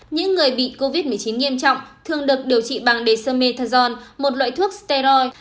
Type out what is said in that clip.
những người bị covid một mươi chín nghiêm trọng thường được điều trị bằng dexamethasone một loại thuốc steroid